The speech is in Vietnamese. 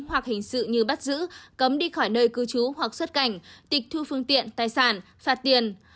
hoặc hình sự như bắt giữ cấm đi khỏi nơi cư trú hoặc xuất cảnh tịch thu phương tiện tài sản phạt tiền